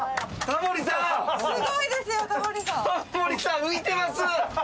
タモリさん浮いてます！